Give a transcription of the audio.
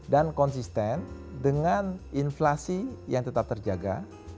dan konsisten dengan inflasi yang tetap terjaga